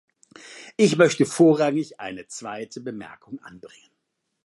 Ich möchte vorrangig eine zweite Bemerkung anbringen.